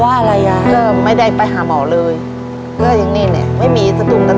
ทับผลไม้เยอะเห็นยายบ่นบอกว่าเป็นยังไงครับ